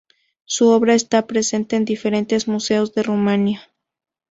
Su obra está presente en diferentes museos de Rumanía.